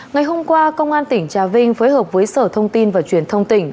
ngày hôm qua công an tỉnh trà vinh phối hợp với sở thông tin và truyền thông tỉnh